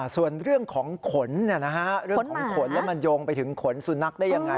ส่วนเรื่องของขนเรื่องของขนแล้วมันโยงไปถึงขนสุนัขได้ยังไง